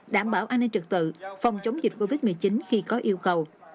đảm bảo an ninh trực tự phòng chống dịch covid một mươi chín khi có yêu cầu